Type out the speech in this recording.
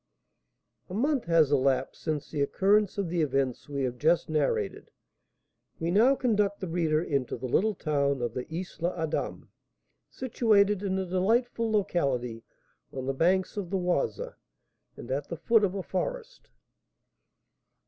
A month has elapsed since the occurrence of the events we have just narrated. We now conduct the reader into the little town of the Isle Adam, situated in a delightful locality on the banks of the Oise, and at the foot of a forest.